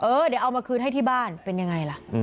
เดี๋ยวเอามาคืนให้ที่บ้านเป็นยังไงล่ะ